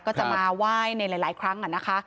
ก็จะมาไหว้ในหลายครั้งนะคะ